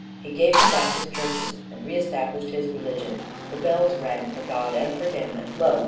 He gave Him back His churches, and reestablished His religion; the bells rang for God and for him: and lo!